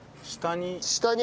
下に？